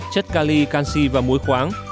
chất cali canxi và muối khoáng